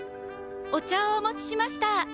お茶をお持ちしました。